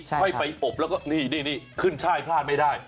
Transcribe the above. ค่อยไปอบแล้วก็นี่ขึ้นช่ายพลาดไม่ได้